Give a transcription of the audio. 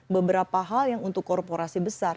beberapa hal yang untuk korporasi besar